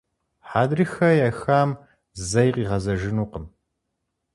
Хьэдрыхэ ехам зэи къигъэзэжынукъым.